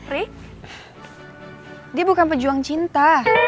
ri dia bukan pejuang cinta